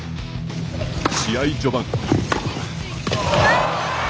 試合序盤。